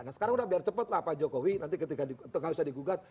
nah sekarang udah biar cepet lah pak jokowi nanti ketika nggak usah digugat